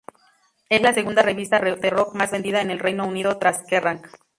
Es la segunda revista de rock más vendida en el Reino Unido tras "Kerrang!